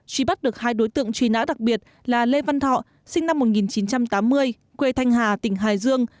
truy bắt được hai đối tượng truy nã đặc biệt là lê văn thọ sinh năm một nghìn chín trăm tám mươi quê thanh hà tỉnh hải dương